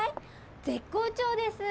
絶好調です